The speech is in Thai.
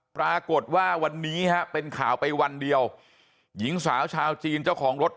ปรากฏว่าวันนี้ฮะเป็นข่าวไปวันเดียวหญิงสาวชาวจีนเจ้าของรถ